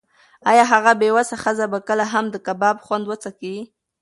ایا هغه بې وسه ښځه به کله هم د کباب خوند وڅکي؟